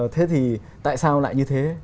thế thì tại sao lại như thế